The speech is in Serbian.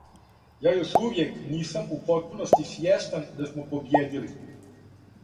Ја још увијек нисам у потпуности свјестан да смо побиједили.